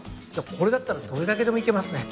これだったらどれだけでもいけますね。